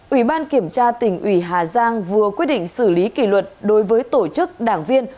ủy ban kiểm tra tỉnh ủy hà giang vừa quyết định xử lý kỷ luật đối với tổ chức đảng viên